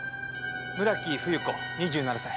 村木冬子２７歳。